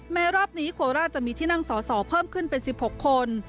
แม้รอบนี้โคราชจะมีที่นั่งสอสอเพิ่มขึ้นเป็น๑๖คน